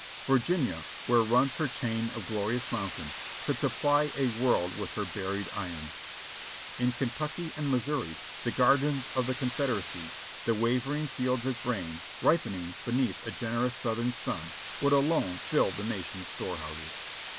Virginia, where runs her chain of glorious mountains, could supply a world with her buried iron. In Kentucky and Missouri, the gardens of the Confederacy, the waving fields of grain, ripening beneath a generous southern sun, would alone fill the nation's storehouses.